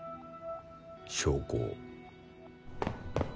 証拠を。